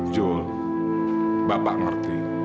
julie bapak ngerti